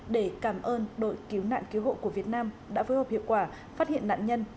để cảm ơn đội cứu nạn cứu hộ của việt nam đã phối hợp hiệu quả phát hiện nạn nhân